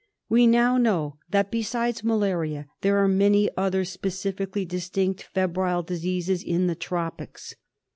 We now know that besides malaria there are many other specifically distinct febrile diseases in the tropics.